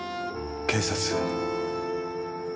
警察。